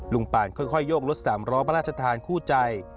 ป่านค่อยโยกรถสามล้อพระราชทานคู่ใจ